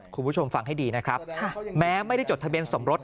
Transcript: คุณผู้ชมฟังให้ดีนะครับแม้ไม่ได้จดทะเบียนสมรส